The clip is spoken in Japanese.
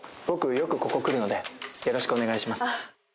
僕よくここ来るのでよろしくお願いします。